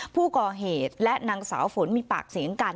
ผู้ก่อเหตุและนางสาวฝนมีปากเสียงกัน